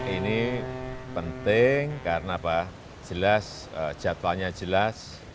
ini penting karena jadwalnya jelas